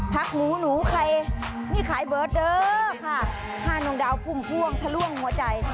ผักหมูหนูใครนี่ขายเบิร์ตเด้อค่ะห้านวงดาวพุ่มพ่วงทะล่วงหัวใจ